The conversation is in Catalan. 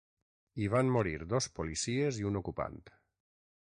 Hi van morir dos policies i un ocupant.